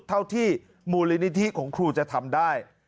เท่าที่มูลนิธิของครูจะทำได้